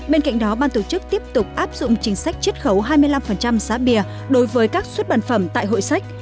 bên cạnh đó ban tổ chức tiếp tục áp dụng chính sách chất khẩu hai mươi năm giá bia đối với các xuất bản phẩm tại hội sách